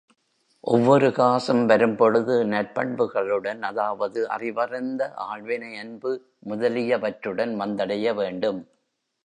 ஒவ்வொரு காசும் வரும்பொழுது நற்பண்புகளுடன் அதாவது அறிவறிந்த ஆள்வினை அன்பு முதலியவற்றுடன் வந்தடைய வேண்டும்.